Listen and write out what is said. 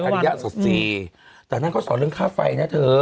อาริยสัทสิแต่ยังเป็นความตัดเท่อนักภาษา